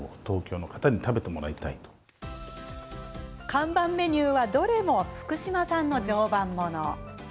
看板メニューはどれも福島産の常磐もの。